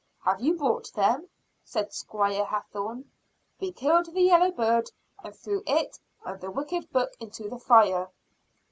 "Have you brought them?" said Squire Hathorne. "We killed the yellow bird and threw it and the wicked book into the fire."